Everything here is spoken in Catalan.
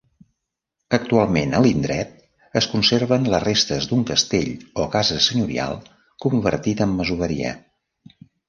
Actualment a l'indret es conserven les restes d'un castell o casa senyorial convertit en masoveria.